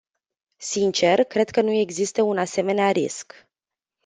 Sincer, cred că nu există un asemenea risc.